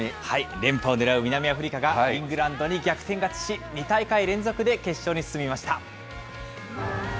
連覇をねらう南アフリカがイングランドに逆転勝ちし、２大会連続で決勝に進みました。